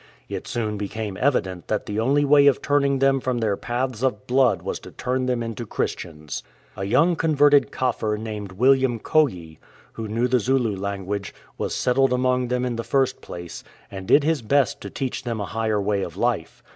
It soon became evident that the only way of turning them from their paths of blood was to turn them into Christians. A young converted Kaffir called William Koyi, who knew the Zulu language, was settled amongst them in the first place, and did his best to teach them a higher way of life.